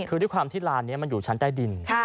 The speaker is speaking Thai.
คือด้วยความที่ลานนี้มันอยู่ชั้นใต้ดิน